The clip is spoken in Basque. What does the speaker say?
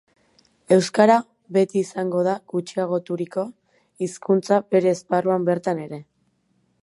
Euskara beti izango da gutxiagoturiko hizkuntza bere esparruan bertan ere.